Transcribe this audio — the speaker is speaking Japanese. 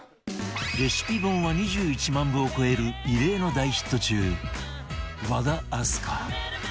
レシピ本は２１万部を超える異例の大ヒット中和田明日香